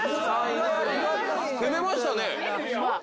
攻めましたね。